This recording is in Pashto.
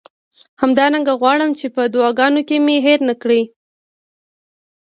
همدارنګه غواړم چې په دعاګانو کې مې هیر نه کړئ.